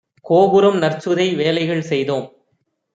கோபுரம் நற்சுதை வேலைகள் செய்தோம்